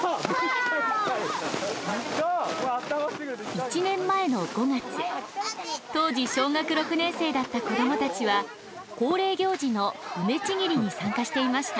１年前の５月当時小学６年生だった子どもたちは恒例行事の梅ちぎりに参加していました。